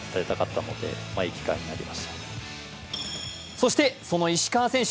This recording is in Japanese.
そして、その石川選手